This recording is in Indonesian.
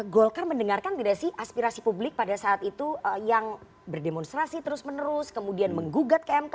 golkar mendengarkan tidak sih aspirasi publik pada saat itu yang berdemonstrasi terus menerus kemudian menggugat ke mk